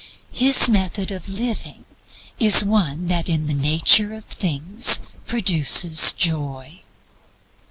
His method of living is one that in the nature of things produces Joy.